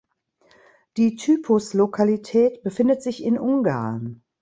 Die Typuslokalität befindet sich in Ungarn.